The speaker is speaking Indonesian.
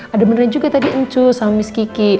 ada beneran juga tadi encu sama miss kiki